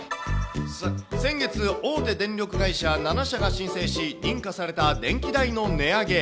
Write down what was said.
先月、大手電力会社７社が申請し、認可された電気代の値上げ。